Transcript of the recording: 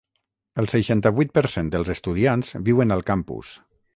El seixanta-vuit per cent dels estudiants viuen al campus.